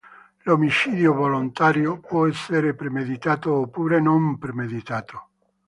L'omicidio volontario può essere premeditato oppure non premeditato.